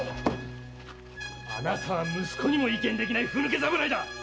あなたは息子にも意見できない腑抜け侍だ！